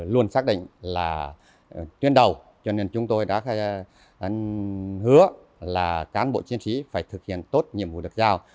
luôn xác định là tuyên đầu cho nên chúng tôi đã hứa là cán bộ chiến sĩ phải thực hiện tốt nhiệm vụ được giao